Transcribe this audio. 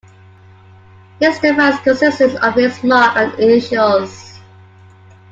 His device consisted of his mark and initials.